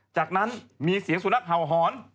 จากนั้นมีเสียงสุนัขเห่าหอน